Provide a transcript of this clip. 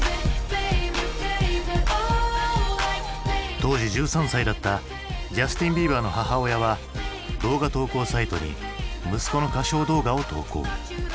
当時１３歳だったジャスティン・ビーバーの母親は動画投稿サイトに息子の歌唱動画を投稿。